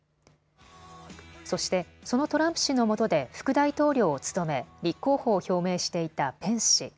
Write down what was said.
そして、そのトランプ氏のもとで副大統領を務め立候補を表明していたペンス氏。